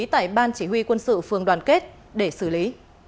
tại ban chỉ huy quân sự phường đoàn kết để xử lý